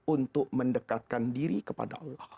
untuk mendekatkan diri kepada allah